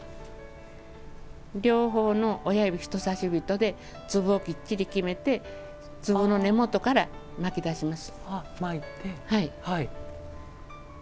両方の親指、人さし指で粒をきっちり決めて粒の根元から巻きだします。